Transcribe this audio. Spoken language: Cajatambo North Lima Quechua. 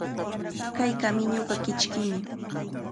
Kay kamiñuqa kichkimi.